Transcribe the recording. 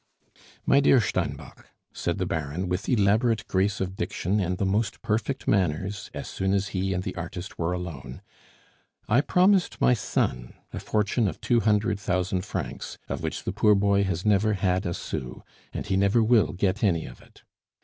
"My dear Steinbock," said the Baron, with elaborate grace of diction and the most perfect manners, as soon as he and the artist were alone, "I promised my son a fortune of two hundred thousand francs, of which the poor boy has never had a sou; and he never will get any of it.